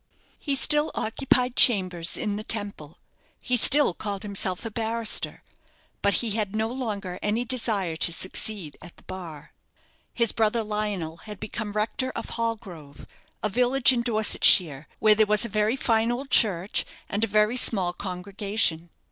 He still occupied chambers in the Temple; he still called himself a barrister; but he had no longer any desire to succeed at the bar. His brother Lionel had become rector of Hallgrove, a village in Dorsetshire, where there was a very fine old church and a very small congregation.